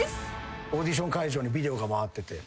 オーディション会場にビデオが回ってて。